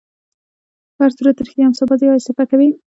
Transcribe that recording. په هرصورت، ته رښتیا هم سبا ځې؟ آیا سفر کوې؟